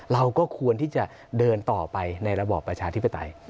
เราก็ควรที่จะเดินต่อไปในระบอบประชาธิปไตย